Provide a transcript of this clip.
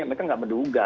mereka tidak menduga